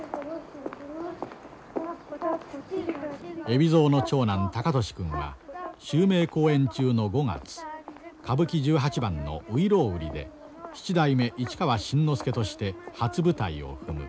海老蔵の長男孝俊くんは襲名公演中の５月歌舞伎十八番の「外郎売」で七代目市川新之助として初舞台を踏む。